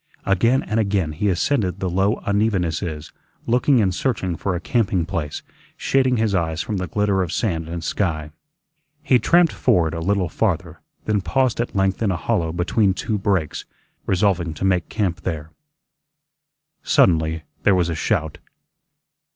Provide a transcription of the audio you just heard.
Again and again he ascended the low unevennesses, looking and searching for a camping place, shading his eyes from the glitter of sand and sky. He tramped forward a little farther, then paused at length in a hollow between two breaks, resolving to make camp there. Suddenly there was a shout.